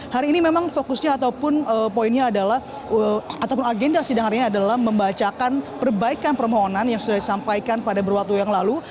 hari ini memang fokusnya ataupun poinnya adalah ataupun agenda sidang hari ini adalah membacakan perbaikan permohonan yang sudah disampaikan pada berwaktu yang lalu